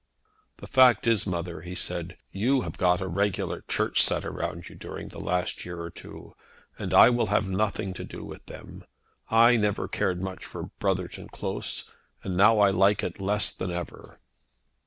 "The fact is, mother," he said, "you have got a regular church set around you during the last year or two, and I will have nothing to do with them. I never cared much for Brotherton Close, and now I like it less than ever."